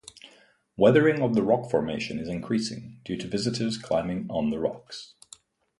Weathering of the rock formation is increasing due to visitors climbing on the rocks.